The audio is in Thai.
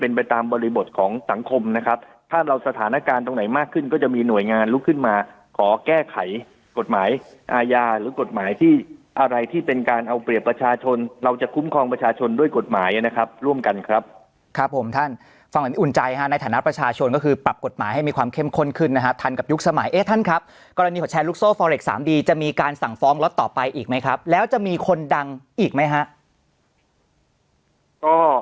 โกงประชาชนร่วมกันเช่าโกงประชาชนร่วมกันเช่าโกงประชาชนร่วมกันเช่าโกงประชาชนร่วมกันเช่าโกงประชาชนร่วมกันเช่าโกงประชาชนร่วมกันเช่าโกงประชาชนร่วมกันเช่าโกงประชาชนร่วมกันเช่าโกงประชาชนร่วมกันเช่าโกงประชาชนร่วมกันเช่าโกงประชาชนร่วมกันเช่าโ